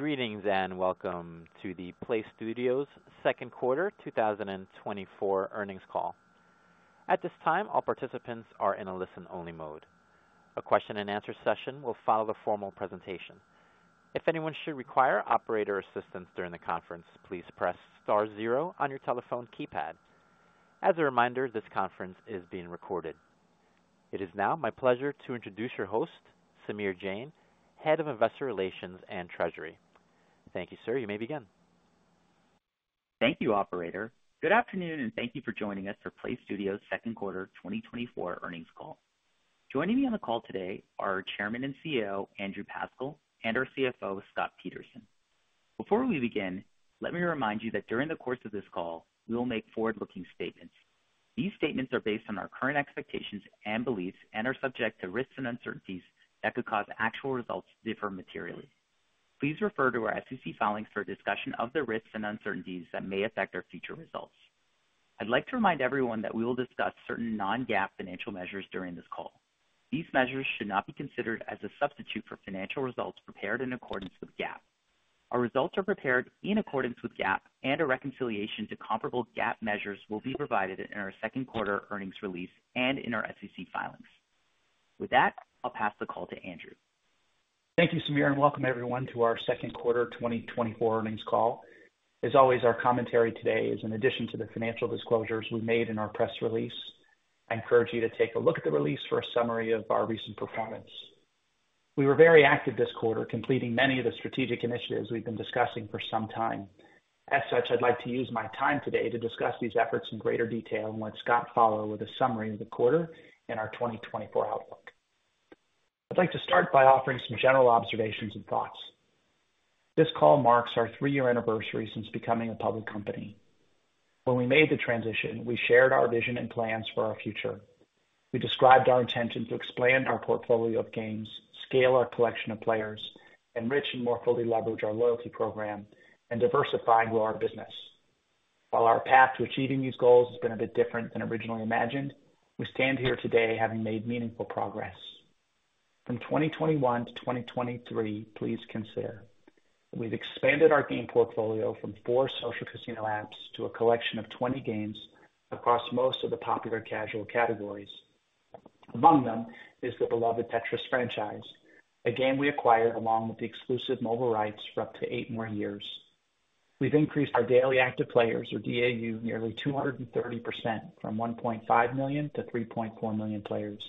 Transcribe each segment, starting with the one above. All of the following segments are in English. Greetings, and Welcome to the PLAYSTUDIOS second quarter 2024 earnings call. At this time, all participants are in a listen-only mode. A question-and-answer session will follow the formal presentation. If anyone should require operator assistance during the conference, please press star zero on your telephone keypad. As a reminder, this conference is being recorded. It is now my pleasure to introduce your host, Samir Jain, Head of Investor Relations and Treasury. Thank you, sir. You may begin. Thank you, Operator. Good afternoon, and Thank you for joining us for PLAYSTUDIOS second quarter 2024 earnings call. Joining me on the call today are Chairman and CEO Andrew Pascal and our CFO, Scott Peterson. Before we begin, let me remind you that during the course of this call, we will make forward-looking statements. These statements are based on our current expectations and beliefs and are subject to risks and uncertainties that could cause actual results to differ materially. Please refer to our SEC filings for a discussion of the risks and uncertainties that may affect our future results. I'd like to remind everyone that we will discuss certain non-GAAP financial measures during this call. These measures should not be considered as a substitute for financial results prepared in accordance with GAAP. Our results are prepared in accordance with GAAP, and a reconciliation to comparable GAAP measures will be provided in our second quarter earnings release and in our SEC filings. With that, I'll pass the call to Andrew. Thank you, Samir, and welcome everyone to our second quarter 2024 earnings call. As always, our commentary today is in addition to the financial disclosures we made in our press release. I encourage you to take a look at the release for a summary of our recent performance. We were very active this quarter, completing many of the strategic initiatives we've been discussing for some time. As such, I'd like to use my time today to discuss these efforts in greater detail and let Scott follow with a summary of the quarter and our 2024 outlook. I'd like to start by offering some general observations and thoughts. This call marks our three-year anniversary since becoming a public company. When we made the transition, we shared our vision and plans for our future. We described our intention to expand our portfolio of games, scale our collection of players, enrich and more fully leverage our loyalty program, and diversify and grow our business. While our path to achieving these goals has been a bit different than originally imagined, we stand here today having made meaningful progress. From 2021 to 2023, please consider. We've expanded our game portfolio from four social casino apps to a collection of 20 games across most of the popular casual categories. Among them is the beloved Tetris franchise, a game we acquired along with the exclusive mobile rights for up to eight more years. We've increased our daily active players, or DAU, nearly 230% from 1.5 million to 3.4 million players.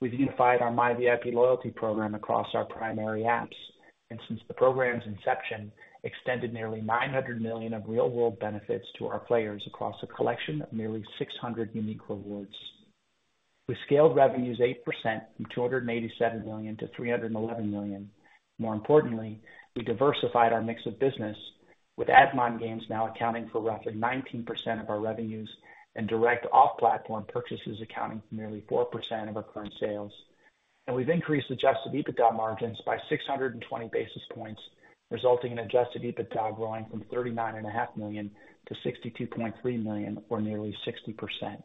We've unified our myVIP loyalty program across our primary apps, and since the program's inception, extended nearly 900 million of real-world benefits to our players across a collection of nearly 600 unique rewards. We scaled revenues 8% from $287 million - $311 million. More importantly, we diversified our mix of business, with Ad-Mon Games now accounting for roughly 19% of our revenues and direct off-platform purchases accounting for nearly 4% of our current sales. And we've increased adjusted EBITDA margins by 620 basis points, resulting in adjusted EBITDA growing from $39.5 million to $62.3 million, or nearly 60%.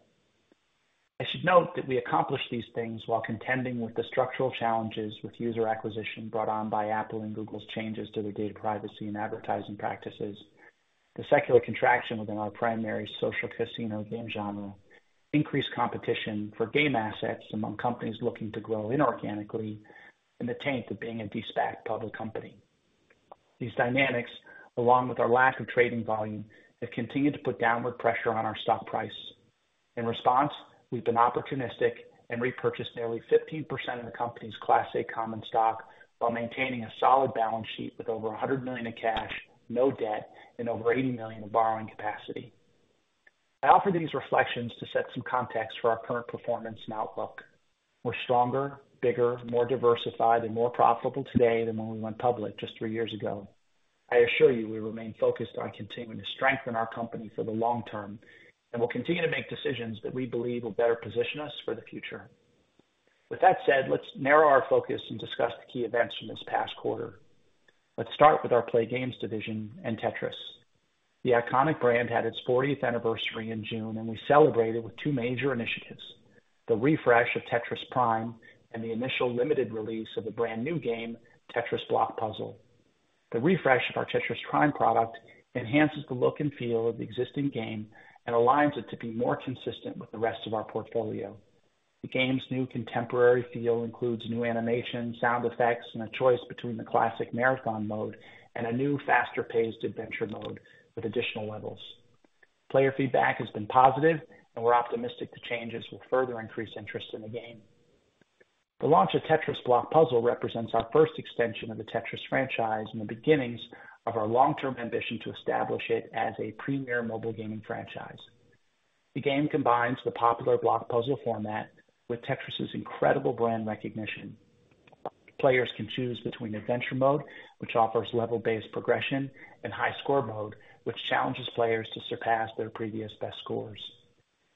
I should note that we accomplished these things while contending with the structural challenges with user acquisition brought on by Apple and Google's changes to their data privacy and advertising practices, the secular contraction within our primary social casino game genre, increased competition for game assets among companies looking to grow inorganically, and the taint of being a dispatched public company. These dynamics, along with our lack of trading volume, have continued to put downward pressure on our stock price. In response, we've been opportunistic and repurchased nearly 15% of the company's Class A common stock while maintaining a solid balance sheet with over $100 million in cash, no debt, and over $80 million in borrowing capacity. I offer these reflections to set some context for our current performance and outlook. We're stronger, bigger, more diversified, and more profitable today than when we went public just three years ago. I assure you we remain focused on continuing to strengthen our company for the long term, and we'll continue to make decisions that we believe will better position us for the future. With that said, let's narrow our focus and discuss the key events from this past quarter. Let's start with our playGAMES division and Tetris. The iconic brand had its 40th anniversary in June, and we celebrated with two major initiatives: the refresh of Tetris Prime and the initial limited release of a brand new game, Tetris Block Puzzle. The refresh of our Tetris Prime product enhances the look and feel of the existing game and aligns it to be more consistent with the rest of our portfolio. The game's new contemporary feel includes new animations, sound effects, and a choice between the classic marathon mode and a new, faster-paced adventure mode with additional levels. Player feedback has been positive, and we're optimistic the changes will further increase interest in the game. The launch of Tetris Block Puzzle represents our first extension of the Tetris franchise and the beginnings of our long-term ambition to establish it as a premier mobile gaming franchise. The game combines the popular block puzzle format with Tetris's incredible brand recognition. Players can choose between adventure mode, which offers level-based progression, and high score mode, which challenges players to surpass their previous best scores.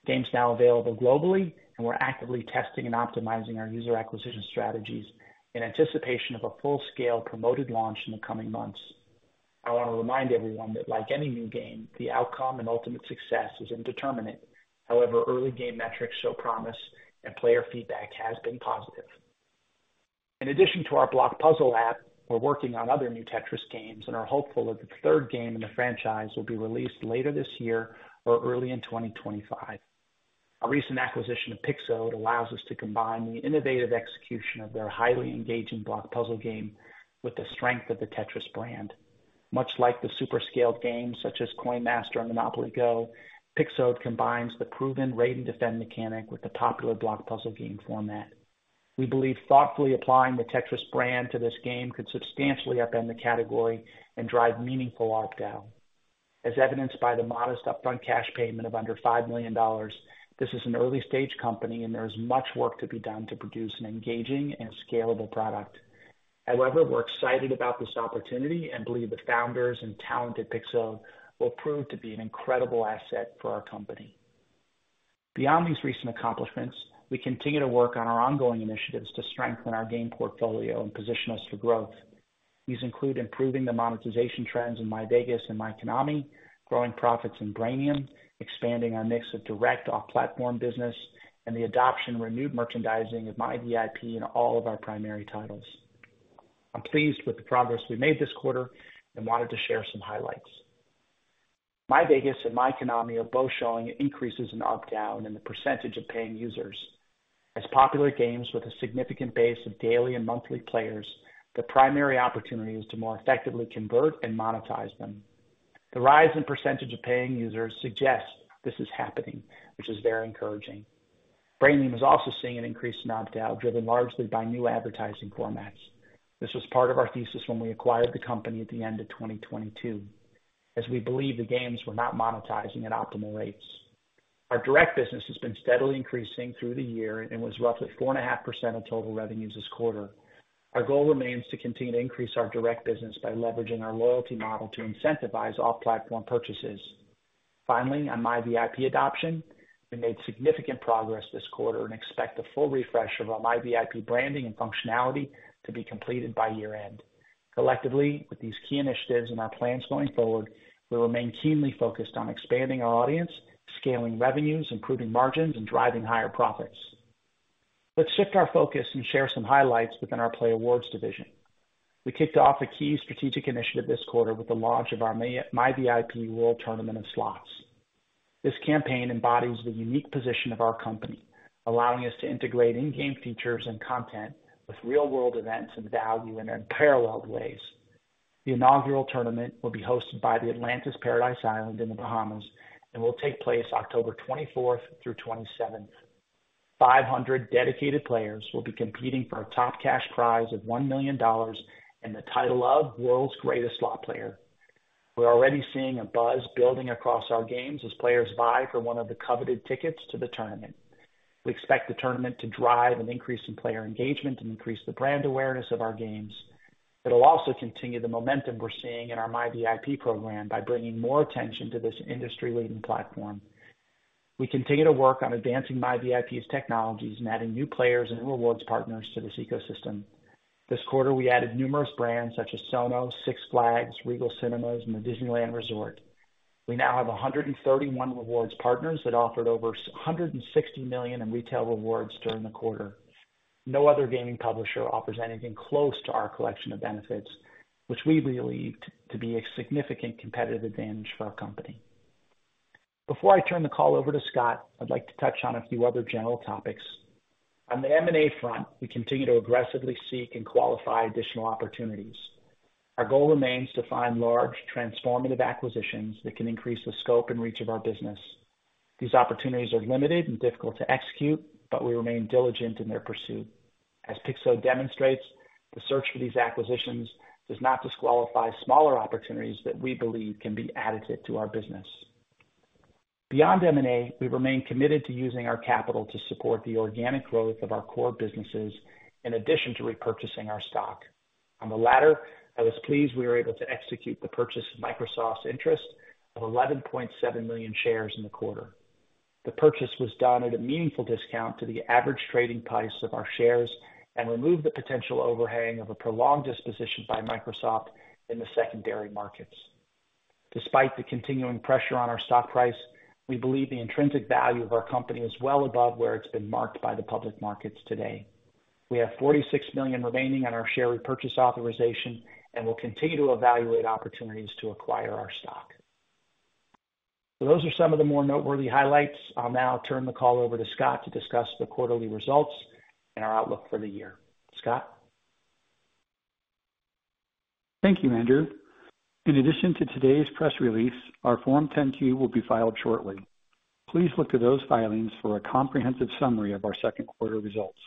The game's now available globally, and we're actively testing and optimizing our user acquisition strategies in anticipation of a full-scale promoted launch in the coming months. I want to remind everyone that, like any new game, the outcome and ultimate success is indeterminate. However, early game metrics show promise, and player feedback has been positive. In addition to our block puzzle app, we're working on other new Tetris games and are hopeful that the third game in the franchise will be released later this year or early in 2025. Our recent acquisition of Pixode allows us to combine the innovative execution of their highly engaging block puzzle game with the strength of the Tetris brand. Much like the super-scaled games such as Coin Master and Monopoly GO!, Pixode combines the proven raid-and-defend mechanic with the popular block puzzle game format. We believe thoughtfully applying the Tetris brand to this game could substantially upend the category and drive meaningful ARPDAU. As evidenced by the modest upfront cash payment of under $5 million, this is an early-stage company, and there is much work to be done to produce an engaging and scalable product. However, we're excited about this opportunity and believe the founders and talented Pixode will prove to be an incredible asset for our company. Beyond these recent accomplishments, we continue to work on our ongoing initiatives to strengthen our game portfolio and position us for growth. These include improving the monetization trends in myVEGAS and myKONAMI, growing profits in Brainium, expanding our mix of direct off-platform business, and the adoption of renewed merchandising of myVIP in all of our primary titles. I'm pleased with the progress we made this quarter and wanted to share some highlights. myVEGAS and myKONAMI are both showing increases in ARPDAU in the percentage of paying users. As popular games with a significant base of daily and monthly players, the primary opportunity is to more effectively convert and monetize them. The rise in percentage of paying users suggests this is happening, which is very encouraging. Brainium is also seeing an increase in uptake driven largely by new advertising formats. This was part of our thesis when we acquired the company at the end of 2022, as we believed the games were not monetizing at optimal rates. Our direct business has been steadily increasing through the year and was roughly 4.5% of total revenues this quarter. Our goal remains to continue to increase our direct business by leveraging our loyalty model to incentivize off-platform purchases. Finally, on myVIP adoption, we made significant progress this quarter and expect a full refresh of our myVIP branding and functionality to be completed by year-end. Collectively, with these key initiatives and our plans going forward, we remain keenly focused on expanding our audience, scaling revenues, improving margins, and driving higher profits. Let's shift our focus and share some highlights within our playAWARDS division. We kicked off a key strategic initiative this quarter with the launch of our myVIP World Tournament of Slots. This campaign embodies the unique position of our company, allowing us to integrate in-game features and content with real-world events and value in unparalleled ways. The inaugural tournament will be hosted by the Atlantis Paradise Island in the Bahamas and will take place October 24th through 27th. 500 dedicated players will be competing for a top cash prize of $1 million and the title of World's Greatest Slot Player. We're already seeing a buzz building across our games as players vie for one of the coveted tickets to the tournament. We expect the tournament to drive an increase in player engagement and increase the brand awareness of our games. It'll also continue the momentum we're seeing in our myVIP program by bringing more attention to this industry-leading platform. We continue to work on advancing myVIP's technologies and adding new players and rewards partners to this ecosystem. This quarter, we added numerous brands such as Sonos, Six Flags, Regal Cinemas, and the Disneyland Resort. We now have 131 rewards partners that offered over $160 million in retail rewards during the quarter. No other gaming publisher offers anything close to our collection of benefits, which we believe to be a significant competitive advantage for our company. Before I turn the call over to Scott, I'd like to touch on a few other general topics. On the M&A front, we continue to aggressively seek and qualify additional opportunities. Our goal remains to find large, transformative acquisitions that can increase the scope and reach of our business. These opportunities are limited and difficult to execute, but we remain diligent in their pursuit. As Pixode demonstrates, the search for these acquisitions does not disqualify smaller opportunities that we believe can be additive to our business. Beyond M&A, we remain committed to using our capital to support the organic growth of our core businesses in addition to repurchasing our stock. On the latter, I was pleased we were able to execute the purchase of Microsoft's interest of 11.7 million shares in the quarter. The purchase was done at a meaningful discount to the average trading price of our shares and removed the potential overhang of a prolonged disposition by Microsoft in the secondary markets. Despite the continuing pressure on our stock price, we believe the intrinsic value of our company is well above where it's been marked by the public markets today. We have 46 million remaining on our share repurchase authorization and will continue to evaluate opportunities to acquire our stock. Those are some of the more noteworthy highlights. I'll now turn the call over to Scott to discuss the quarterly results and our outlook for the year. Scott. Thank you, Andrew. In addition to today's press release, our Form 10-Q will be filed shortly. Please look to those filings for a comprehensive summary of our second quarter results.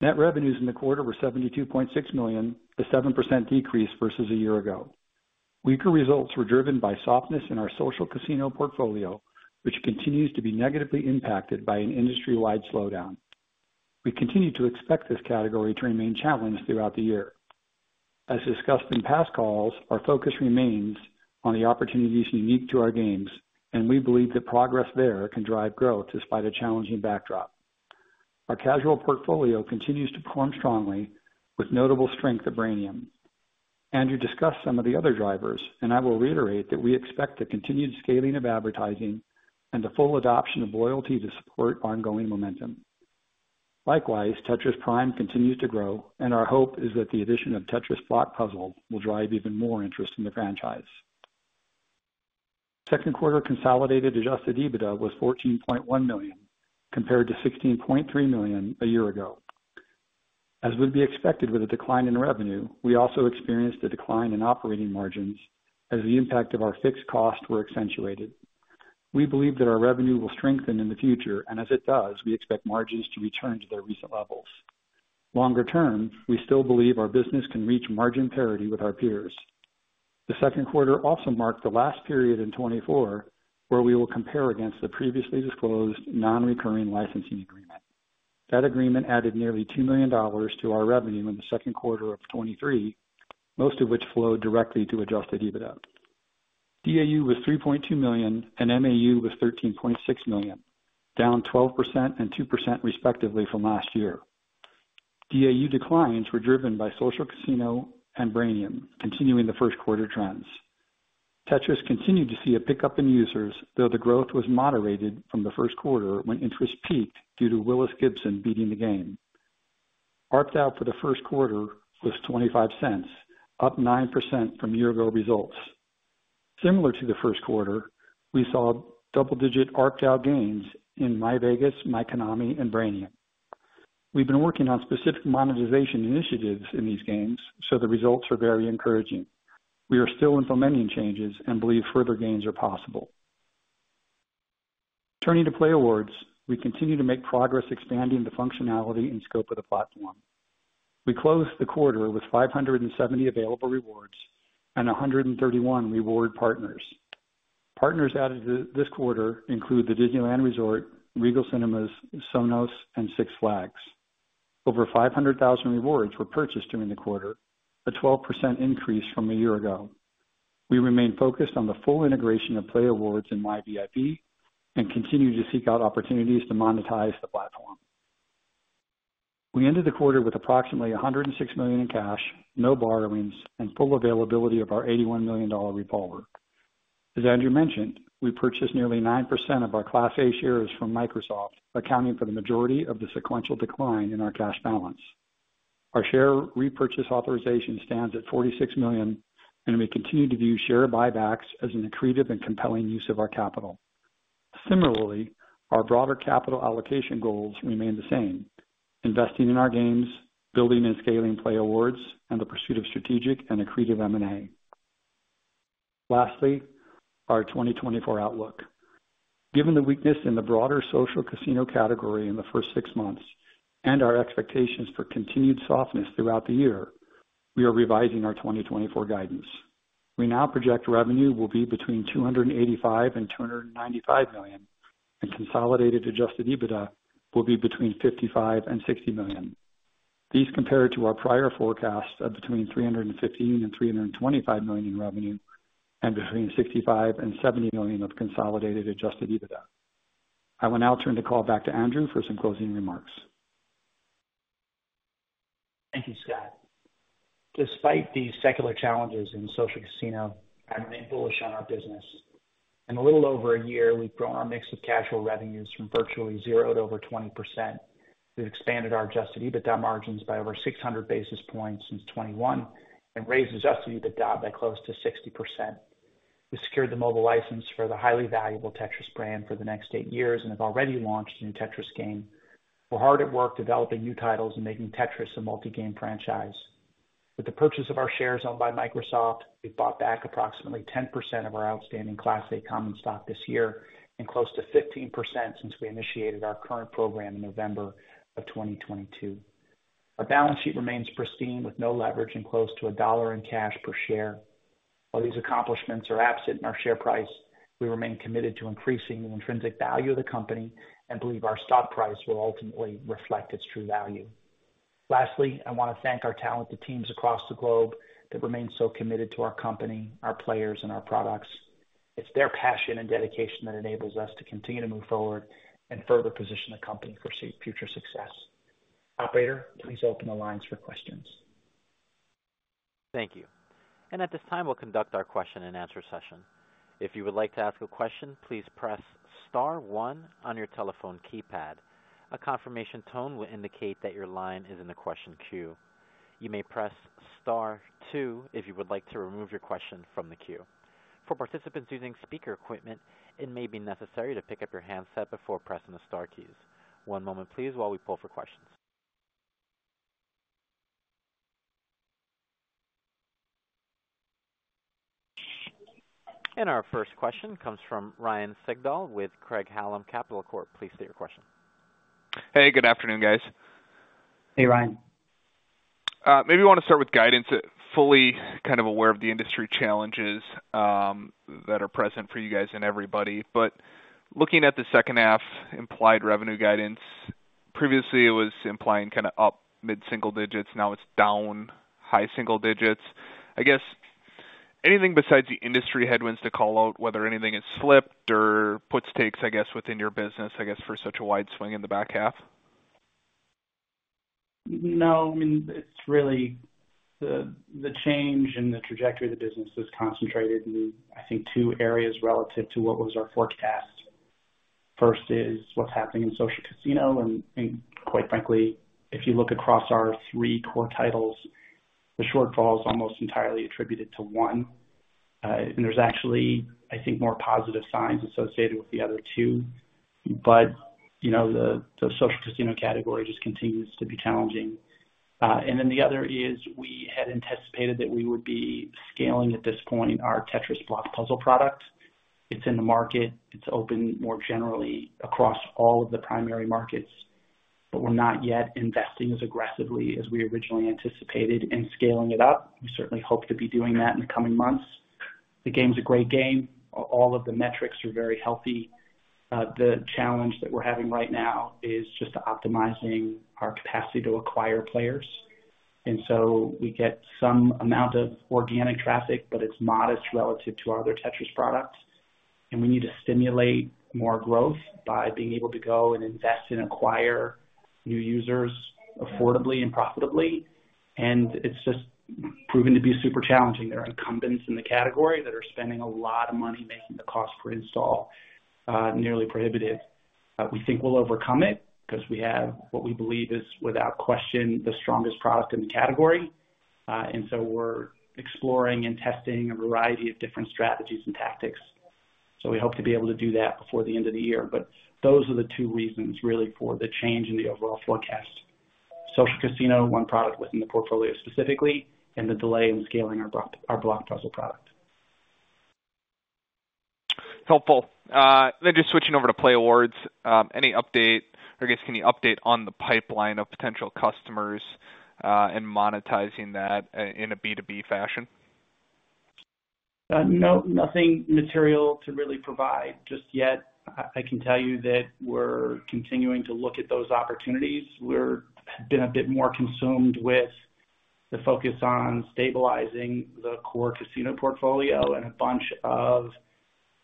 Net revenues in the quarter were $72.6 million, a 7% decrease versus a year ago. Weaker results were driven by softness in our social casino portfolio, which continues to be negatively impacted by an industry-wide slowdown. We continue to expect this category to remain challenged throughout the year. As discussed in past calls, our focus remains on the opportunities unique to our games, and we believe that progress there can drive growth despite a challenging backdrop. Our casual portfolio continues to perform strongly, with notable strength of Brainium. Andrew discussed some of the other drivers, and I will reiterate that we expect the continued scaling of advertising and the full adoption of loyalty to support ongoing momentum. Likewise, Tetris Prime continues to grow, and our hope is that the addition of Tetris Block Puzzle will drive even more interest in the franchise. Second quarter consolidated Adjusted EBITDA was $14.1 million, compared to $16.3 million a year ago. As would be expected with a decline in revenue, we also experienced a decline in operating margins as the impact of our fixed costs was accentuated. We believe that our revenue will strengthen in the future, and as it does, we expect margins to return to their recent levels. Longer term, we still believe our business can reach margin parity with our peers. The second quarter also marked the last period in 2024 where we will compare against the previously disclosed non-recurring licensing agreement. That agreement added nearly $2 million to our revenue in the second quarter of 2023, most of which flowed directly to adjusted EBITDA. DAU was 3.2 million and MAU was 13.6 million, down 12% and 2% respectively from last year. DAU declines were driven by social casino and Brainium, continuing the first quarter trends. Tetris continued to see a pickup in users, though the growth was moderated from the first quarter when interest peaked due to Willis Gibson beating the game. ARPDAU for the first quarter was $0.25, up 9% from year-ago results. Similar to the first quarter, we saw double-digit ARPDAU gains in myVEGAS, myKONAMI, and Brainium. We've been working on specific monetization initiatives in these games, so the results are very encouraging. We are still implementing changes and believe further gains are possible. Turning to playAWARDS, we continue to make progress expanding the functionality and scope of the platform. We closed the quarter with 570 available rewards and 131 reward partners. Partners added to this quarter include the Disneyland Resort, Regal Cinemas, Sonos, and Six Flags. Over 500,000 rewards were purchased during the quarter, a 12% increase from a year ago. We remain focused on the full integration of playAWARDS and myVIP and continue to seek out opportunities to monetize the platform. We ended the quarter with approximately $106 million in cash, no borrowings, and full availability of our $81 million revolver. As Andrew mentioned, we purchased nearly 9% of our Class A shares from Microsoft, accounting for the majority of the sequential decline in our cash balance. Our share repurchase authorization stands at 46 million, and we continue to view share buybacks as an accretive and compelling use of our capital. Similarly, our broader capital allocation goals remain the same: investing in our games, building and scaling playAWARDS, and the pursuit of strategic and accretive M&A. Lastly, our 2024 outlook. Given the weakness in the broader social casino category in the first six months and our expectations for continued softness throughout the year, we are revising our 2024 guidance. We now project revenue will be between $285 million and $295 million, and consolidated adjusted EBITDA will be between $55 million and $60 million. These compare to our prior forecast of between $315 million and $325 million in revenue and between $65 million and $70 million of consolidated adjusted EBITDA. I will now turn the call back to Andrew for some closing remarks. Thank you, Scott. Despite the secular challenges in social casino, I remain bullish on our business. In a little over a year, we've grown our mix of casual revenues from virtually zero to over 20%. We've expanded our adjusted EBITDA margins by over 600 basis points since 2021 and raised adjusted EBITDA by close to 60%. We secured the mobile license for the highly valuable Tetris brand for the next eight years and have already launched a new Tetris game. We're hard at work developing new titles and making Tetris a multi-game franchise. With the purchase of our shares owned by Microsoft, we've bought back approximately 10% of our outstanding Class A common stock this year and close to 15% since we initiated our current program in November of 2022. Our balance sheet remains pristine with no leverage and close to $1 in cash per share. While these accomplishments are absent in our share price, we remain committed to increasing the intrinsic value of the company and believe our stock price will ultimately reflect its true value. Lastly, I want to thank our talented teams across the globe that remain so committed to our company, our players, and our products. It's their passion and dedication that enables us to continue to move forward and further position the company for future success. Operator, please open the lines for questions. Thank you. And at this time, we'll conduct our question-and-answer session. If you would like to ask a question, please press Star one on your telephone keypad. A confirmation tone will indicate that your line is in the question queue. You may press Star two if you would like to remove your question from the queue. For participants using speaker equipment, it may be necessary to pick up your handset before pressing the star key. One moment, please, while we poll for questions. Our first question comes from Ryan Sigdahl with Craig-Hallum Capital Group. Please state your question. Hey, good afternoon, guys. Hey, Ryan. Maybe I want to start with guidance. Fully kind of aware of the industry challenges that are present for you guys and everybody. But looking at the second-half implied revenue guidance, previously it was implying kind of up mid-single digits. Now it's down high single digits. I guess anything besides the industry headwinds to call out, whether anything has slipped or puts and takes, I guess, within your business, I guess, for such a wide swing in the back half? No, I mean, it's really the change in the trajectory of the business is concentrated in, I think, two areas relative to what was our forecast. First is what's happening in social casino. And, quite frankly, if you look across our three core titles, the shortfall is almost entirely attributed to one. And there's actually, I think, more positive signs associated with the other two. But, you know, the social casino category just continues to be challenging. And then the other is we had anticipated that we would be scaling at this point our Tetris Block Puzzle product. It's in the market. It's open more generally across all of the primary markets. But we're not yet investing as aggressively as we originally anticipated in scaling it up. We certainly hope to be doing that in the coming months. The game's a great game. All of the metrics are very healthy. The challenge that we're having right now is just optimizing our capacity to acquire players. And so we get some amount of organic traffic, but it's modest relative to our other Tetris products. And we need to stimulate more growth by being able to go and invest and acquire new users affordably and profitably. And it's just proven to be super challenging. There are incumbents in the category that are spending a lot of money making the cost per install nearly prohibitive. We think we'll overcome it because we have what we believe is, without question, the strongest product in the category. And so we're exploring and testing a variety of different strategies and tactics. So we hope to be able to do that before the end of the year. But those are the two reasons really for the change in the overall forecast. Social casino, one product within the portfolio specifically, and the delay in scaling our block puzzle product. Helpful. Then just switching over to playAWARDS. Any update, or I guess, can you update on the pipeline of potential customers, and monetizing that in a B2B fashion? No, nothing material to really provide just yet. I can tell you that we're continuing to look at those opportunities. We're been a bit more consumed with the focus on stabilizing the core casino portfolio and a bunch of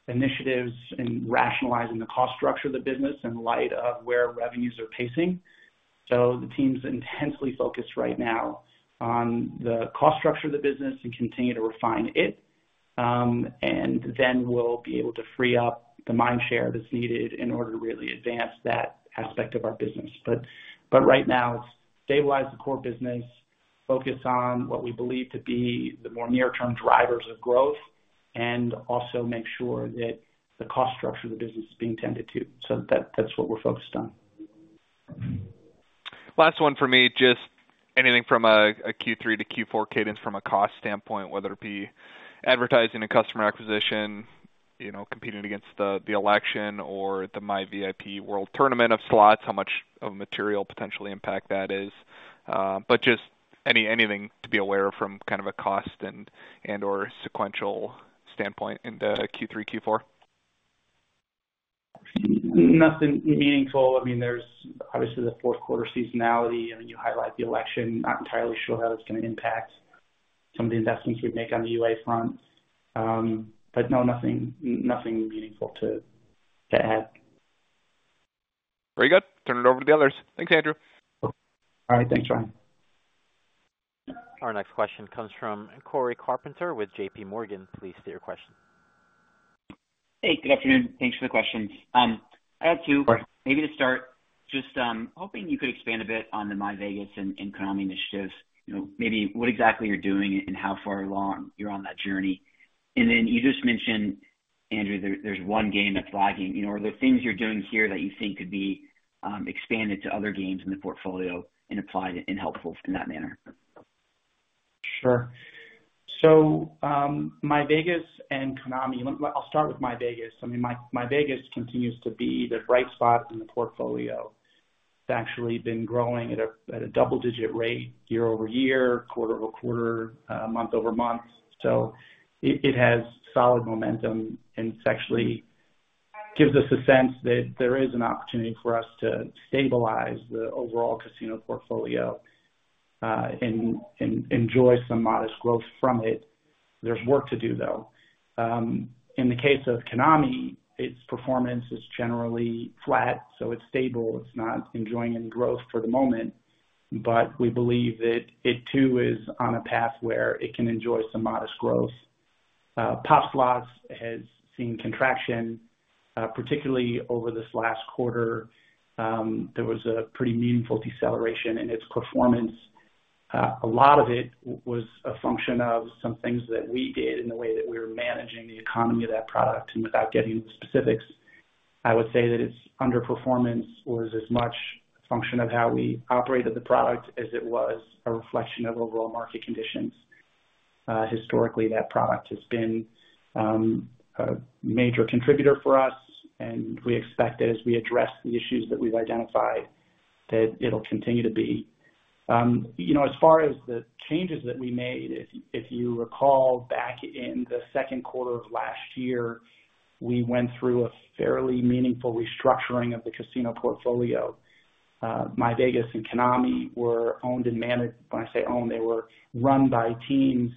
initiatives in rationalizing the cost structure of the business in light of where revenues are pacing. So the team's intensely focused right now on the cost structure of the business and continue to refine it. And then we'll be able to free up the mind share that's needed in order to really advance that aspect of our business. But right now, it's stabilize the core business, focus on what we believe to be the more near-term drivers of growth, and also make sure that the cost structure of the business is being tended to. So that's what we're focused on. Last one for me, just anything from a Q3 to Q4 cadence from a cost standpoint, whether it be advertising and customer acquisition, you know, competing against the election or the myVIP World Tournament of Slots, how much of a material potentially impact that is. But just anything to be aware of from kind of a cost and/or sequential standpoint in the Q3, Q4? Nothing meaningful. I mean, there's obviously the fourth quarter seasonality. I mean, you highlight the election, not entirely sure how that's going to impact some of the investments we make on the UA front. But no, nothing, nothing meaningful to add. Very good. Turn it over to the others. Thanks, Andrew. All right, thanks, Ryan. Our next question comes from Cory Carpenter with JPMorgan. Please state your question. Hey, good afternoon. Thanks for the questions. I have two. Maybe to start, just hoping you could expand a bit on the myVEGAS and myKONAMI initiatives, you know, maybe what exactly you're doing and how far along you're on that journey. And then you just mentioned, Andrew, there's one game that's lagging. You know, are there things you're doing here that you think could be expanded to other games in the portfolio and applied and helpful in that manner? Sure. So, myVEGAS and myKONAMI, I'll start with myVEGAS. I mean, myVEGAS continues to be the bright spot in the portfolio. It's actually been growing at a double-digit rate year-over-year, quarter-over-quarter, month-over-month. So it has solid momentum, and it actually gives us a sense that there is an opportunity for us to stabilize the overall casino portfolio and enjoy some modest growth from it. There's work to do, though. In the case of myKONAMI, its performance is generally flat, so it's stable. It's not enjoying any growth for the moment. But we believe that it too is on a path where it can enjoy some modest growth. POP! Slots has seen contraction, particularly over this last quarter. There was a pretty meaningful deceleration in its performance. A lot of it was a function of some things that we did in the way that we were managing the economy of that product. Without getting into specifics, I would say that its underperformance was as much a function of how we operated the product as it was a reflection of overall market conditions. Historically, that product has been a major contributor for us, and we expect that as we address the issues that we've identified, that it'll continue to be. You know, as far as the changes that we made, if you recall, back in the second quarter of last year, we went through a fairly meaningful restructuring of the casino portfolio. myVEGAS and myKONAMI were owned and managed. When I say owned, they were run by teams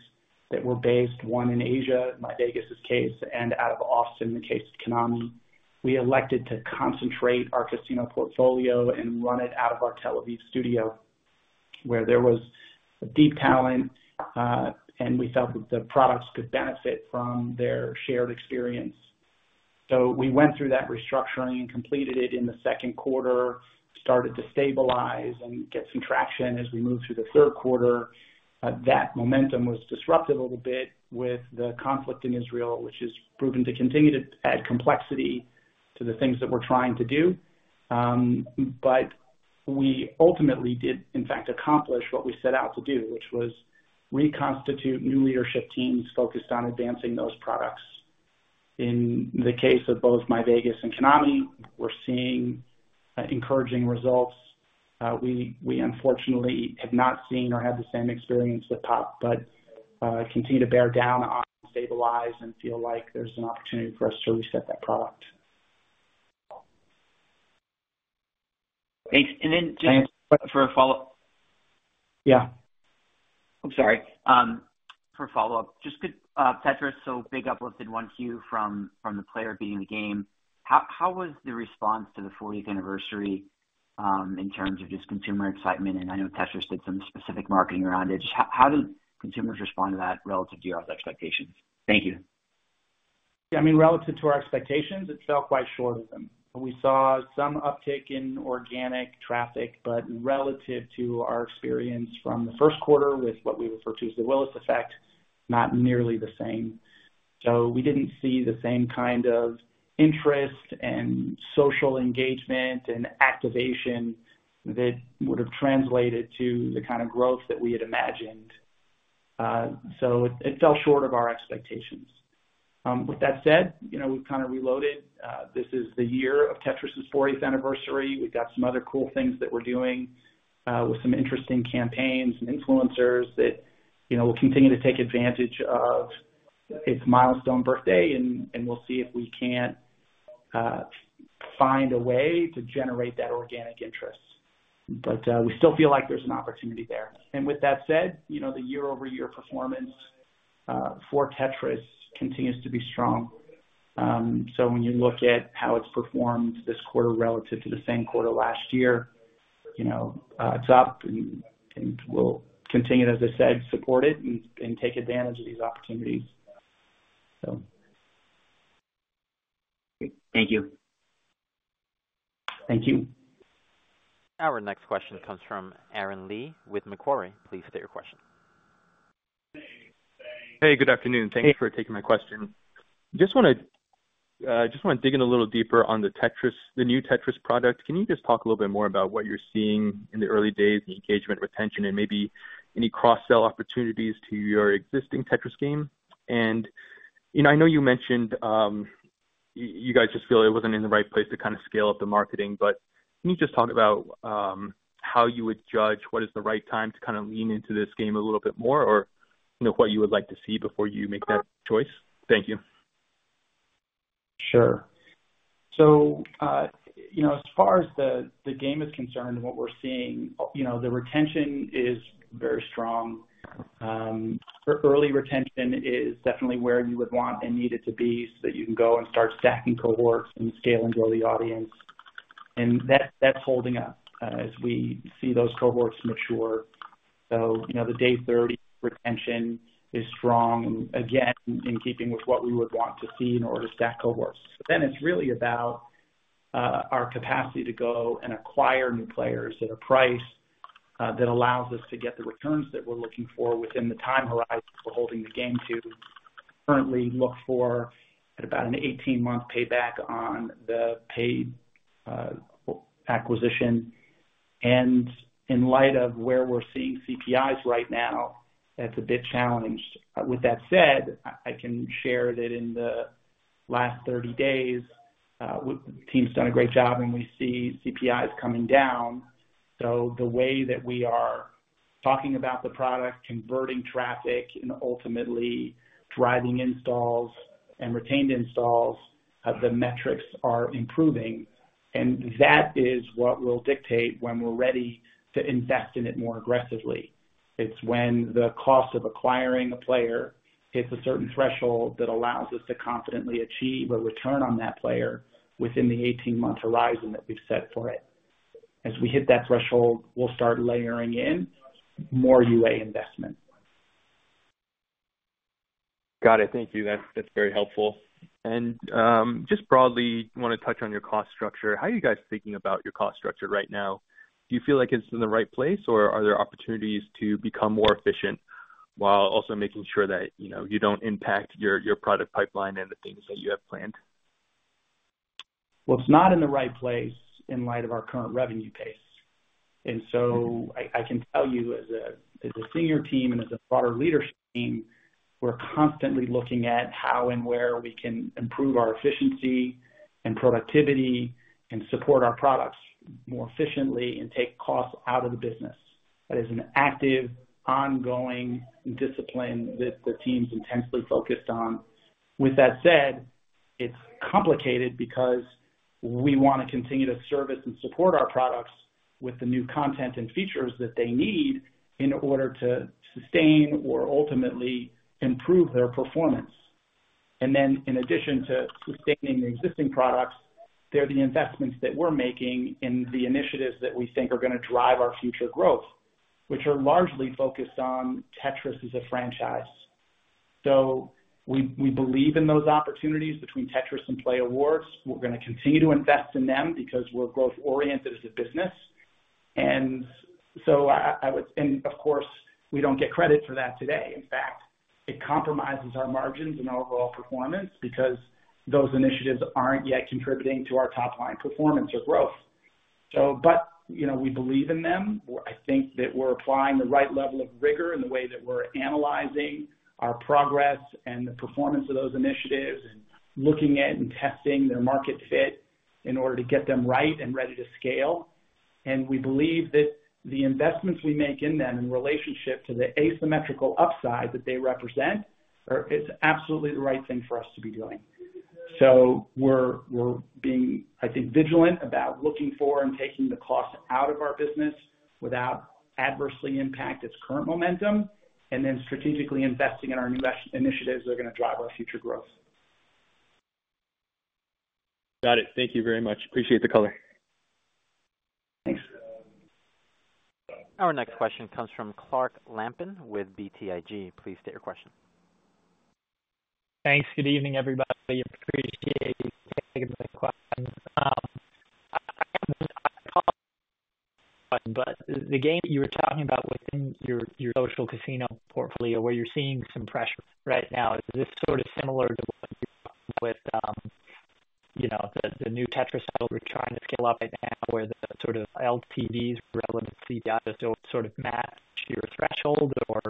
that were based, one in Asia, myVEGAS's case, and out of Austin, the case of myKONAMI. We elected to concentrate our casino portfolio and run it out of our Tel Aviv studio, where there was a deep talent, and we felt that the products could benefit from their shared experience. So we went through that restructuring and completed it in the second quarter, started to stabilize and get some traction as we moved through the third quarter. That momentum was disrupted a little bit with the conflict in Israel, which has proven to continue to add complexity to the things that we're trying to do. But we ultimately did, in fact, accomplish what we set out to do, which was reconstitute new leadership teams focused on advancing those products. In the case of both myVEGAS and myKONAMI, we're seeing encouraging results. We unfortunately have not seen or had the same experience with POP!, but continue to bear down on stabilize and feel like there's an opportunity for us to reset that product. Thanks. And then just for a follow-up. Yeah. I'm sorry. For a follow-up, just could, Tetris, so big uplifted 1Q from the player beating the game. How was the response to the 40th anniversary, in terms of just consumer excitement? And I know Tetris did some specific marketing around it. Just how did consumers respond to that relative to your expectations? Thank you. Yeah, I mean, relative to our expectations, it fell quite short of them. We saw some uptick in organic traffic, but relative to our experience from the first quarter with what we refer to as the Willis effect, not nearly the same. So we didn't see the same kind of interest and social engagement and activation that would have translated to the kind of growth that we had imagined. So it fell short of our expectations. With that said, you know, we've kind of reloaded. This is the year of Tetris's 40th anniversary. We've got some other cool things that we're doing, with some interesting campaigns and influencers that, you know, will continue to take advantage of its milestone birthday. And we'll see if we can't find a way to generate that organic interest. But we still feel like there's an opportunity there. And with that said, you know, the year-over-year performance for Tetris continues to be strong. So when you look at how it's performed this quarter relative to the same quarter last year, you know, it's up and we'll continue, as I said, support it and take advantage of these opportunities. Thank you. Thank you. Our next question comes from Aaron Lee with Macquarie. Please state your question. Hey, good afternoon. Thanks for taking my question. Just want to dig in a little deeper on the Tetris, the new Tetris product. Can you just talk a little bit more about what you're seeing in the early days, the engagement, retention, and maybe any cross-sell opportunities to your existing Tetris game? And, you know, I know you mentioned, you guys just feel it wasn't in the right place to kind of scale up the marketing? But can you just talk about how you would judge what is the right time to kind of lean into this game a little bit more or, you know, what you would like to see before you make that choice? Thank you. Sure. So, you know, as far as the game is concerned, what we're seeing, you know, the retention is very strong. Early retention is definitely where you would want and need it to be so that you can go and start stacking cohorts and scale and grow the audience. And that's holding up as we see those cohorts mature. So, you know, the day 30 retention is strong and, again, in keeping with what we would want to see in order to stack cohorts. But then it's really about our capacity to go and acquire new players at a price that allows us to get the returns that we're looking for within the time horizon we're holding the game to. Currently, look for at about an 18-month payback on the paid acquisition. And in light of where we're seeing CPIs right now, that's a bit challenged. With that said, I can share that in the last 30 days, the team's done a great job and we see CPIs coming down. So the way that we are talking about the product, converting traffic, and ultimately driving installs and retained installs, the metrics are improving. And that is what will dictate when we're ready to invest in it more aggressively. It's when the cost of acquiring a player hits a certain threshold that allows us to confidently achieve a return on that player within the 18-month horizon that we've set for it. As we hit that threshold, we'll start layering in more UA investment. Got it. Thank you. That's very helpful. And, just broadly, want to touch on your cost structure. How are you guys thinking about your cost structure right now? Do you feel like it's in the right place, or are there opportunities to become more efficient while also making sure that, you know, you don't impact your product pipeline and the things that you have planned? Well, it's not in the right place in light of our current revenue pace. So I can tell you as a senior team and as a broader leadership team, we're constantly looking at how and where we can improve our efficiency and productivity and support our products more efficiently and take costs out of the business. That is an active, ongoing discipline that the team's intensely focused on. With that said, it's complicated because we want to continue to service and support our products with the new content and features that they need in order to sustain or ultimately improve their performance. And then, in addition to sustaining the existing products, they're the investments that we're making in the initiatives that we think are going to drive our future growth, which are largely focused on Tetris as a franchise. We believe in those opportunities between Tetris and playAWARDS. We're going to continue to invest in them because we're growth-oriented as a business. And so I would, and of course, we don't get credit for that today. In fact, it compromises our margins and our overall performance because those initiatives aren't yet contributing to our top-line performance or growth. So, but, you know, we believe in them. I think that we're applying the right level of rigor in the way that we're analyzing our progress and the performance of those initiatives and looking at and testing their market fit in order to get them right and ready to scale. And we believe that the investments we make in them in relationship to the asymmetrical upside that they represent are absolutely the right thing for us to be doing. So we're being, I think, vigilant about looking for and taking the cost out of our business without adversely impacting its current momentum and then strategically investing in our new initiatives that are going to drive our future growth. Got it. Thank you very much. Appreciate the color. Thanks. Our next question comes from Clark Lampen with BTIG. Please state your question. Thanks. Good evening, everybody. Appreciate taking the question. I apologize, but the game that you were talking about within your social casino portfolio, where you're seeing some pressure right now, is this sort of similar to what you're talking with, you know, the new Tetris that we're trying to scale up right now where the sort of LTVs relevant to CPIs don't sort of match your threshold, or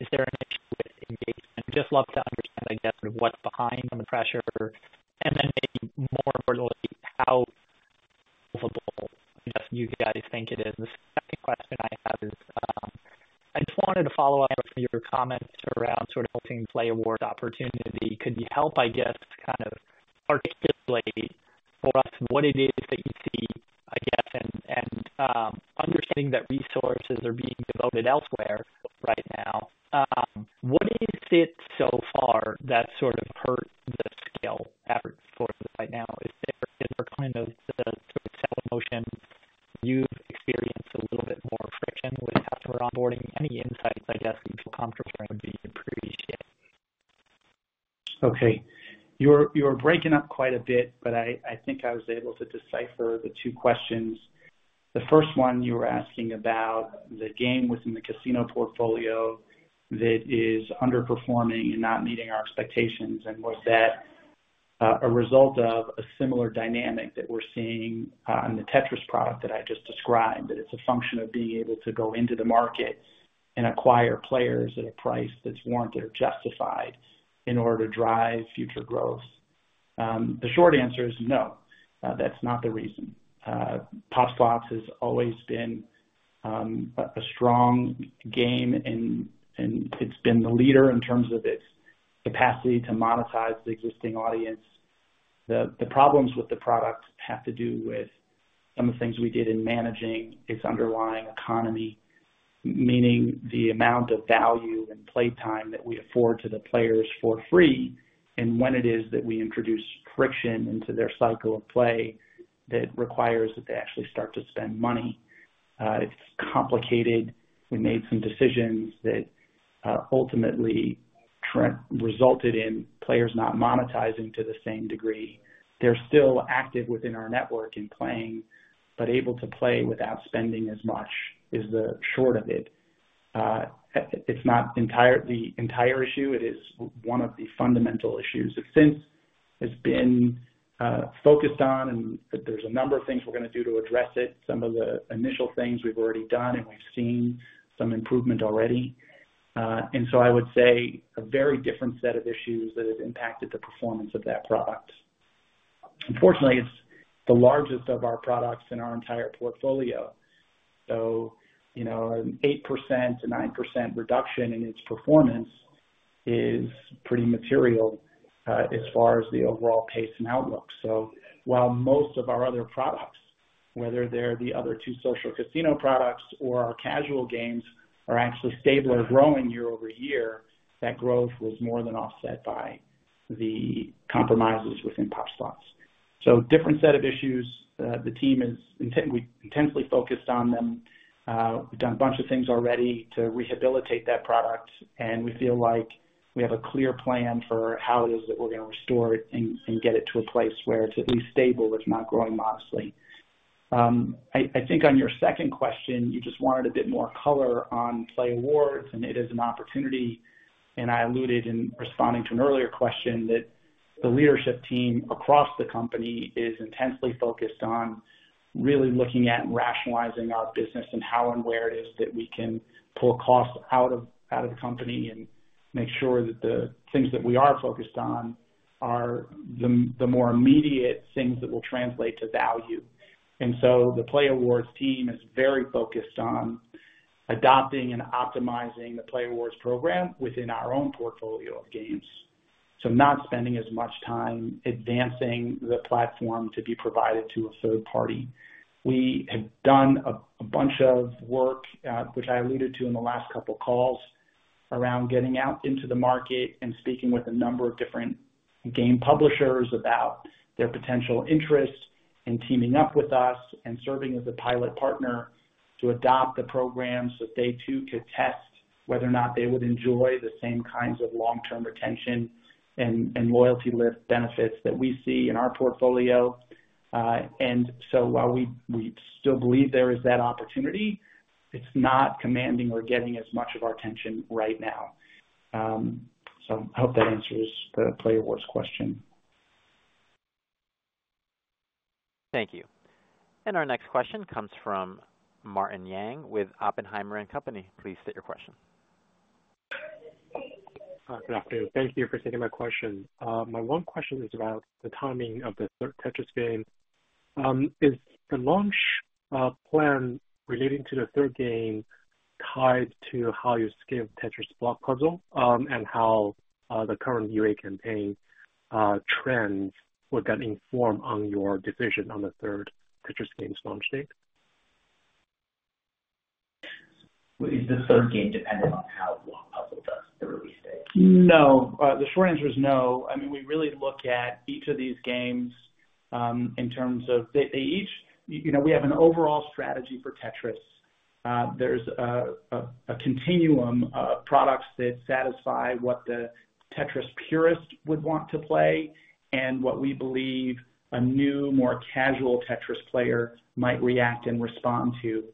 is there an issue with engagement? Just love to understand, I guess, sort of what's behind the pressure and then maybe more broadly how movable just you guys think it is. The second question I have is, I just wanted to follow up from your comments around sort of hosting playAWARDS opportunity. Could you help, I guess, kind of articulate for us what it is that you see, I guess, and, understanding that resources are being devoted elsewhere right now? What is it so far that sort of hurt the scale effort for us right now? Is there kind of the sort of sell motion you've experienced a little bit more friction with customer onboarding? Any insights, I guess, that you feel comfortable would be appreciated? Okay. You're breaking up quite a bit, but I think I was able to decipher the two questions. The first one you were asking about the game within the casino portfolio that is underperforming and not meeting our expectations. And was that, a result of a similar dynamic that we're seeing, in the Tetris product that I just described, that it's a function of being able to go into the market and acquire players at a price that's warranted or justified in order to drive future growth? The short answer is no. That's not the reason. POP! Slots has always been, a strong game, and it's been the leader in terms of its capacity to monetize the existing audience. The problems with the product have to do with some of the things we did in managing its underlying economy, meaning the amount of value and playtime that we afford to the players for free and when it is that we introduce friction into their cycle of play that requires that they actually start to spend money. It's complicated. We made some decisions that, ultimately resulted in players not monetizing to the same degree. They're still active within our network and playing, but able to play without spending as much is the short of it. It's not entirely the entire issue. It is one of the fundamental issues that since has been focused on, and there's a number of things we're going to do to address it. Some of the initial things we've already done, and we've seen some improvement already. So I would say a very different set of issues that have impacted the performance of that product. Unfortunately, it's the largest of our products in our entire portfolio. So, you know, an 8%-9% reduction in its performance is pretty material, as far as the overall pace and outlook. So while most of our other products, whether they're the other two social casino products or our casual games, are actually stable or growing year-over-year, that growth was more than offset by the compromises within POP! Slots. So different set of issues. The team is intensely focused on them. We've done a bunch of things already to rehabilitate that product, and we feel like we have a clear plan for how it is that we're going to restore it and get it to a place where it's at least stable, if not growing modestly. I think on your second question, you just wanted a bit more color on playAWARDS, and it is an opportunity. I alluded in responding to an earlier question that the leadership team across the company is intensely focused on really looking at and rationalizing our business and how and where it is that we can pull costs out of the company and make sure that the things that we are focused on are the more immediate things that will translate to value. So the playAWARDS team is very focused on adopting and optimizing the playAWARDS program within our own portfolio of games, so not spending as much time advancing the platform to be provided to a third party. We have done a bunch of work, which I alluded to in the last couple of calls around getting out into the market and speaking with a number of different game publishers about their potential interest in teaming up with us and serving as a pilot partner to adopt the program so that they too could test whether or not they would enjoy the same kinds of long-term retention and and loyalty benefits that we see in our portfolio. And so while we we still believe there is that opportunity, it's not commanding or getting as much of our attention right now. So I hope that answers the playAWARDS question. Thank you. And our next question comes from Martin Yang with Oppenheimer & Company. Please state your question. Good afternoon. Thank you for taking my question. My one question is about the timing of the third Tetris game. Is the launch plan relating to the third game tied to how you scale Tetris Block Puzzle, and how the current UA campaign trends would that inform on your decision on the third Tetris game's launch date? Is the third game dependent on how long Puzzle does the release date? No. The short answer is no. I mean, we really look at each of these games, in terms of they each, you know, we have an overall strategy for Tetris. There's a continuum of products that satisfy what the Tetris purist would want to play and what we believe a new, more casual Tetris player might react and respond to.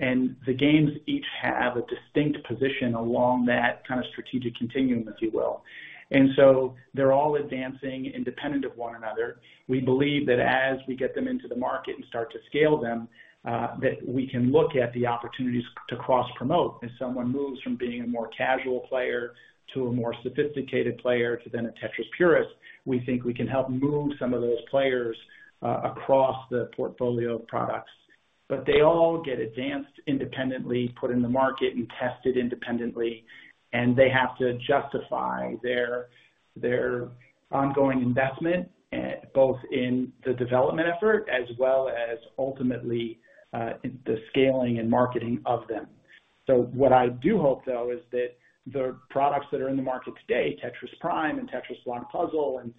And the games each have a distinct position along that kind of strategic continuum, if you will. And so they're all advancing independent of one another. We believe that as we get them into the market and start to scale them, that we can look at the opportunities to cross-promote. As someone moves from being a more casual player to a more sophisticated player to then a Tetris purist, we think we can help move some of those players, across the portfolio of products. But they all get advanced independently, put in the market, and tested independently, and they have to justify their ongoing investment, both in the development effort as well as ultimately, the scaling and marketing of them. So what I do hope, though, is that the products that are in the market today, Tetris Prime and Tetris Block Puzzle, and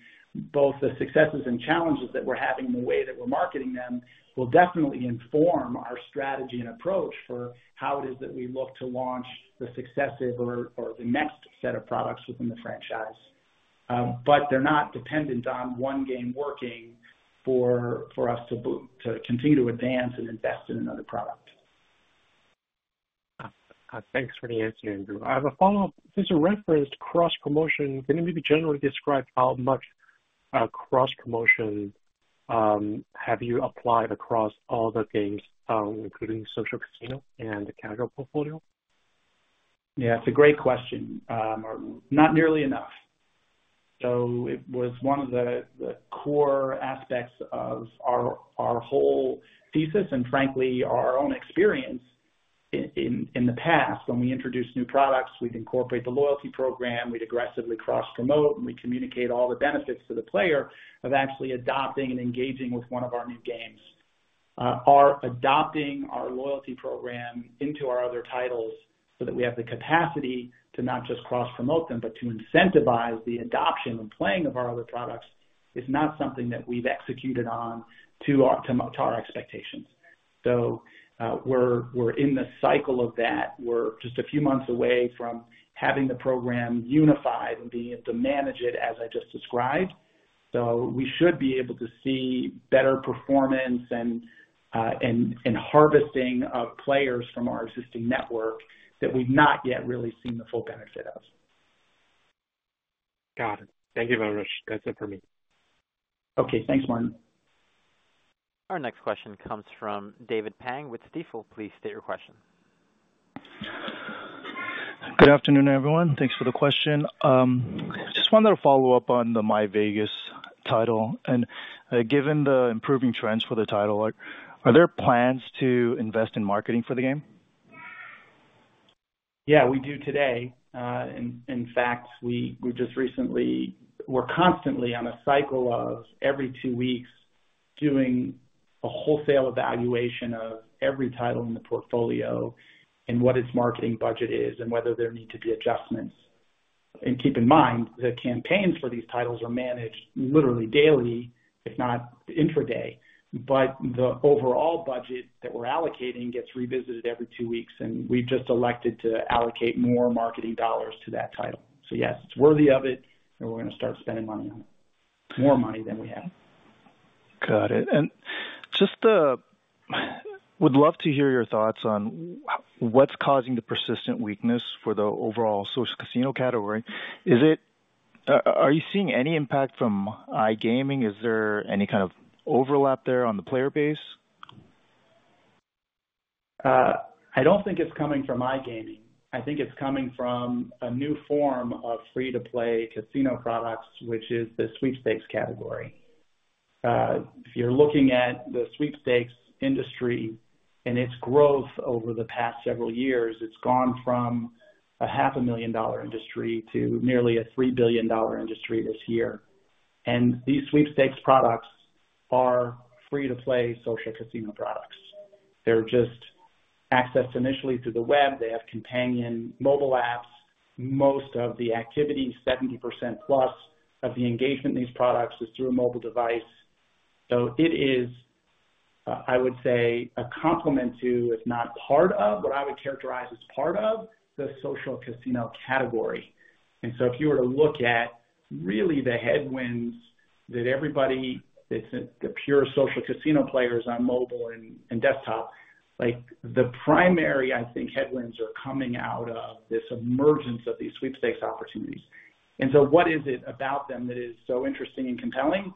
both the successes and challenges that we're having in the way that we're marketing them, will definitely inform our strategy and approach for how it is that we look to launch the successive or the next set of products within the franchise. But they're not dependent on one game working for us to continue to advance and invest in another product. Thanks for the answer, Andrew. I have a follow-up. Since you referenced cross-promotion, can you maybe generally describe how much cross-promotion have you applied across all the games, including social casino and the casual portfolio? Yeah, it's a great question. Not nearly enough. So it was one of the core aspects of our whole thesis and, frankly, our own experience in the past. When we introduce new products, we'd incorporate the loyalty program, we'd aggressively cross-promote, and we'd communicate all the benefits to the player of actually adopting and engaging with one of our new games. Our adopting our loyalty program into our other titles so that we have the capacity to not just cross-promote them, but to incentivize the adoption and playing of our other products is not something that we've executed on to our expectations. So, we're in the cycle of that. We're just a few months away from having the program unified and being able to manage it as I just described. So we should be able to see better performance and harvesting of players from our existing network that we've not yet really seen the full benefit of. Got it. Thank you very much. That's it for me. Okay. Thanks, Martin. Our next question comes from David Pang with Stifel. Please state your question. Good afternoon, everyone. Thanks for the question. Just wanted to follow up on the myVEGAS title. And, given the improving trends for the title, are there plans to invest in marketing for the game? Yeah, we do today. In fact, we just recently were constantly on a cycle of every two weeks doing a wholesale evaluation of every title in the portfolio and what its marketing budget is and whether there need to be adjustments. Keep in mind, the campaigns for these titles are managed literally daily, if not intraday, but the overall budget that we're allocating gets revisited every two weeks, and we've just elected to allocate more marketing dollars to that title. So yes, it's worthy of it, and we're going to start spending money on it, more money than we have. Got it. And just, would love to hear your thoughts on what's causing the persistent weakness for the overall social casino category. Is it, are you seeing any impact from iGaming? Is there any kind of overlap there on the player base? I don't think it's coming from iGaming. I think it's coming from a new form of free-to-play casino products, which is the sweepstakes category. If you're looking at the sweepstakes industry and its growth over the past several years, it's gone from a $500,000 industry to nearly a $3 billion industry this year. And these sweepstakes products are free-to-play social casino products. They're just accessed initially through the web. They have companion mobile apps. Most of the activity, 70%+ of the engagement in these products is through a mobile device. So it is, I would say, a complement to, if not part of, what I would characterize as part of the social casino category. And so if you were to look at really the headwinds that everybody that's the pure social casino players on mobile and desktop, like the primary, I think, headwinds are coming out of this emergence of these sweepstakes opportunities. And so what is it about them that is so interesting and compelling?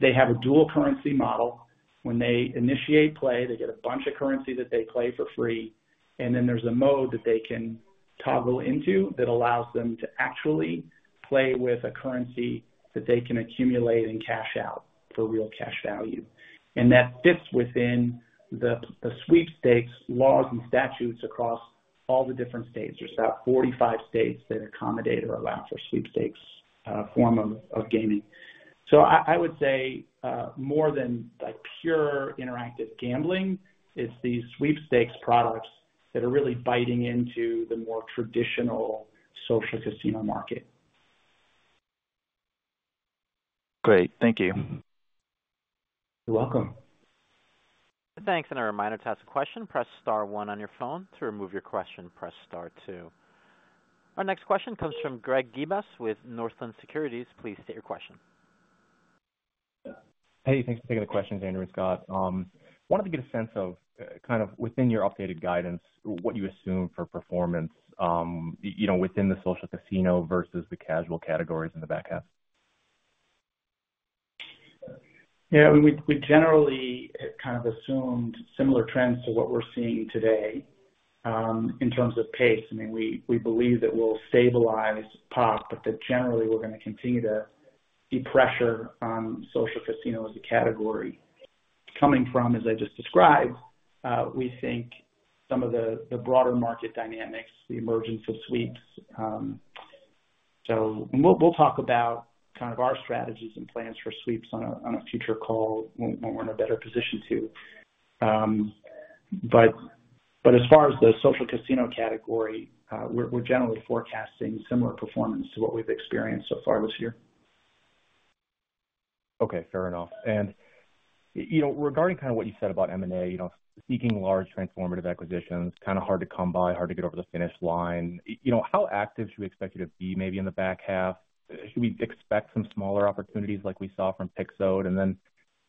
They have a dual-currency model. When they initiate play, they get a bunch of currency that they play for free, and then there's a mode that they can toggle into that allows them to actually play with a currency that they can accumulate and cash out for real cash value. And that fits within the sweepstakes laws and statutes across all the different states. There's about 45 states that accommodate or allow for sweepstakes form of gaming. So I would say, more than like pure interactive gambling, it's these sweepstakes products that are really biting into the more traditional social casino market. Great. Thank you. You're welcome. Thanks. And a reminder to ask a question. Press star one on your phone. To remove your question, press star two. Our next question comes from Greg Gibas with Northland Securities. Please state your question. Hey, thanks for taking the question, Andrew and Scott. Wanted to get a sense of, kind of within your updated guidance, what you assume for performance, you know, within the social casino versus the casual categories in the back half. Yeah, I mean, we generally kind of assumed similar trends to what we're seeing today, in terms of pace. I mean, we believe that we'll stabilize POP!, but that generally we're going to continue to be pressure on social casino as a category. Coming from, as I just described, we think some of the broader market dynamics, the emergence of sweeps. So we'll talk about kind of our strategies and plans for sweeps on a future call when we're in a better position to. But as far as the social casino category, we're generally forecasting similar performance to what we've experienced so far this year. Okay. Fair enough. You know, regarding kind of what you said about M&A, you know, seeking large transformative acquisitions, kind of hard to come by, hard to get over the finish line, you know, how active should we expect you to be maybe in the back half? Should we expect some smaller opportunities like we saw from Pixode? And then,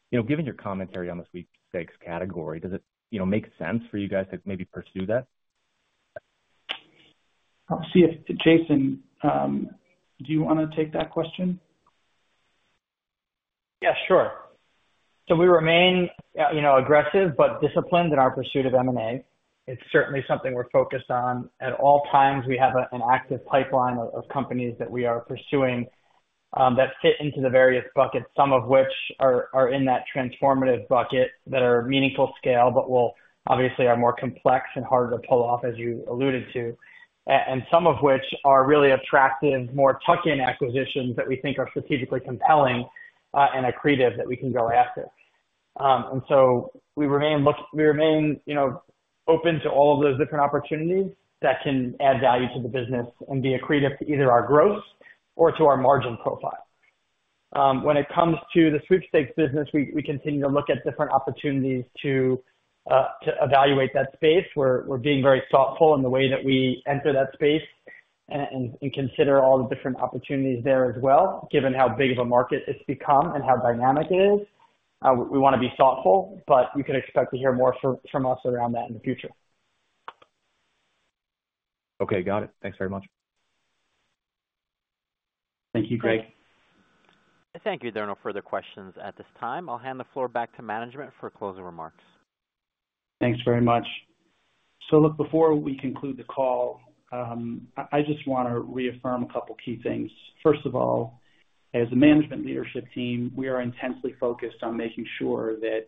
you know, given your commentary on the sweepstakes category, does it, you know, make sense for you guys to maybe pursue that? I'll see if Jason, do you want to take that question? Yeah, sure. So we remain, you know, aggressive but disciplined in our pursuit of M&A. It's certainly something we're focused on. At all times, we have an active pipeline of companies that we are pursuing, that fit into the various buckets, some of which are in that transformative bucket that are meaningful scale, but will obviously are more complex and harder to pull off, as you alluded to, and some of which are really attractive, more tuck-in acquisitions that we think are strategically compelling, and accretive that we can go after. And so we remain, you know, open to all of those different opportunities that can add value to the business and be accretive to either our growth or to our margin profile. When it comes to the sweepstakes business, we continue to look at different opportunities to evaluate that space. We're being very thoughtful in the way that we enter that space and consider all the different opportunities there as well, given how big of a market it's become and how dynamic it is. We want to be thoughtful, but you can expect to hear more from us around that in the future. Okay. Got it. Thanks very much. Thank you, Greg. Thank you. There are no further questions at this time. I'll hand the floor back to management for closing remarks. Thanks very much. So look, before we conclude the call, I just want to reaffirm a couple key things. First of all, as a management leadership team, we are intensely focused on making sure that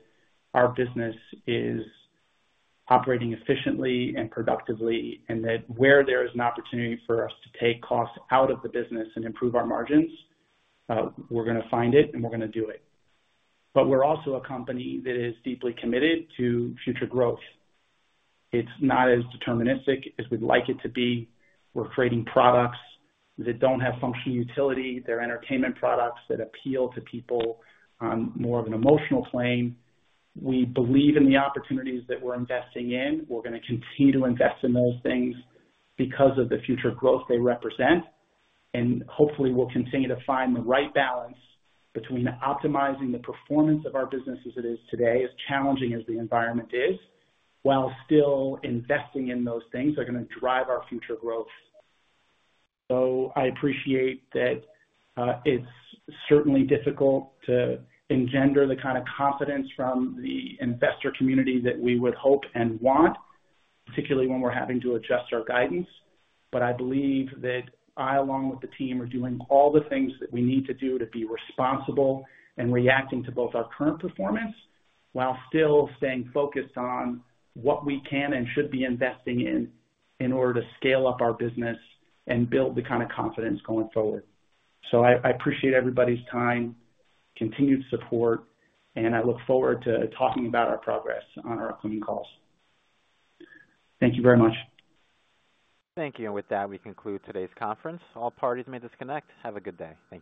our business is operating efficiently and productively and that where there is an opportunity for us to take costs out of the business and improve our margins, we're going to find it and we're going to do it. But we're also a company that is deeply committed to future growth. It's not as deterministic as we'd like it to be. We're creating products that don't have functional utility. They're entertainment products that appeal to people on more of an emotional plane. We believe in the opportunities that we're investing in. We're going to continue to invest in those things because of the future growth they represent. And hopefully, we'll continue to find the right balance between optimizing the performance of our business as it is today, as challenging as the environment is, while still investing in those things that are going to drive our future growth. So I appreciate that, it's certainly difficult to engender the kind of confidence from the investor community that we would hope and want, particularly when we're having to adjust our guidance. But I believe that I, along with the team, are doing all the things that we need to do to be responsible and reacting to both our current performance while still staying focused on what we can and should be investing in order to scale up our business and build the kind of confidence going forward. So I appreciate everybody's time, continued support, and I look forward to talking about our progress on our upcoming calls. Thank you very much. Thank you. And with that, we conclude today's conference. All parties may disconnect. Have a good day. Thank you.